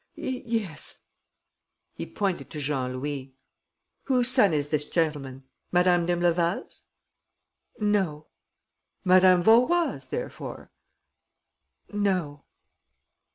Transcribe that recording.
"Yes." He pointed to Jean Louis: "Whose son is this gentleman? Madame d'Imbleval's?" "No." "Madame Vaurois', therefore?" "No."